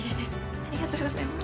ありがとうございます。